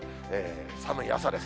寒い朝です。